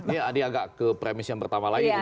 ini agak ke premis yang pertama lagi